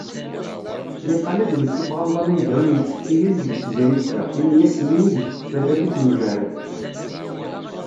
Niqal ad d-nessuffeɣ amḍan aneggaru n yimttekkiyen deg tezrigt-a, imi ass-nni ideg tekfa tallit n ujerred.